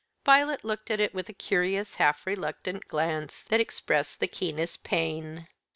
Violet looked at it with a curious half reluctant glance that expressed the keenest pain.